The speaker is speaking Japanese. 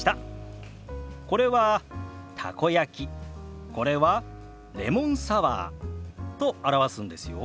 これは「たこ焼き」これは「レモンサワー」と表すんですよ。